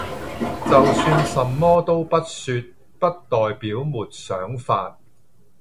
就算什麼都不說，不代表沒想法